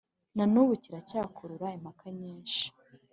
na n’ubu kiracyakurura impaka nyinshi